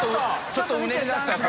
ちょっとうねりだした体が。